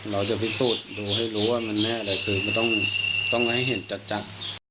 เราจะพิสูจน์ดูให้รู้ว่ามันไม่อะไรคือมันต้องให้เห็นจัด